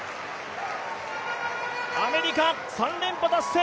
アメリカ、３連覇達成。